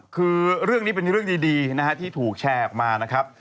คือเรื่องนี้เป็นเรื่องดีที่ถูกแชร์ออกมา